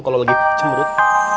kalau lagi cemrut